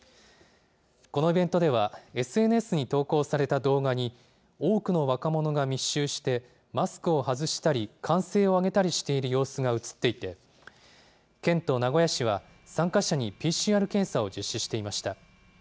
このイベントでは、ＳＮＳに投稿された動画に、多くの若者が密集して、マスクを外したり歓声を上げたりしている様子が映っていて、県と名古屋市は、参加者にＰＣＲ検査を実施していました。